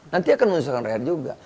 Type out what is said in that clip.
nanti akan menyusahkan rakyat juga